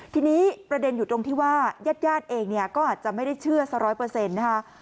ทีนี้ประเด็นอยู่ตรงที่ว่าญาติญาติเองเนี่ยก็อาจจะไม่ได้เชื่อสัก๑๐๐นะคะ